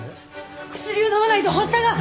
薬を飲まないと発作が！